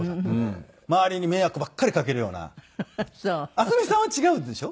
渥美さんは違うでしょ？